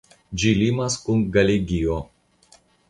Ĝi limas kun Galegio.